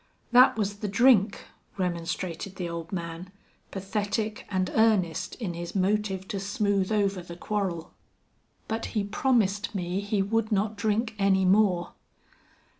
"Thet was the drink," remonstrated the old man, pathetic and earnest in his motive to smooth over the quarrel. "But he promised me he would not drink any more."